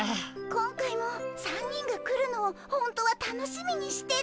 今回も３人が来るのをほんとは楽しみにしてて。